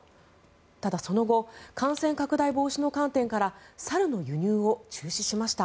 ただ、その後感染拡大防止の観点から猿の輸入を中止しました。